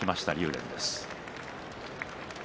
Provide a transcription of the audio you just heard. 電です。